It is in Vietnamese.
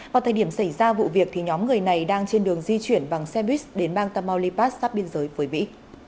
vào thời điểm xảy ra vụ việc thì nhóm người này đang trên đường di chuyển bằng xe bus đến bang tamaulipas sắp biên giới với mỹ